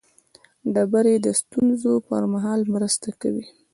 ډبرې د ستونزو پر مهال مرسته کوي.